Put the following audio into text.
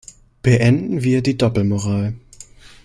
Beenden wir die Doppelmoral.